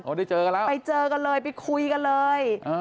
โอ้ได้เจอกันแล้วนะครับไปเจอกันเลยไปคุยกันเลย